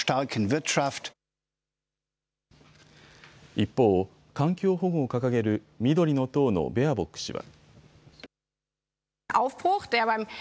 一方、環境保護を掲げる緑の党のベアボック氏は。